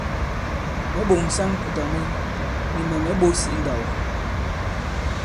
Mɛ̌ ɓòŋsa ŋ̀kùtà mwɛŋ, nì mɛ̀ mɛ̀ ɓos i ǹndāw.